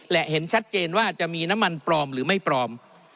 และเห็นชัดเจนว่าจะมีน้ำมันปลอมหรือไม่ปลอม